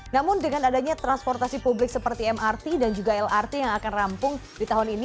namun dengan adanya transportasi publik seperti mrt dan juga lrt yang akan rampung di tahun ini